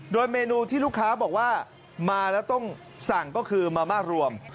โดยเมนูที่ลูกค้าบอกว่ามาแล้วต้องสั่งก็คือมาม่ารวม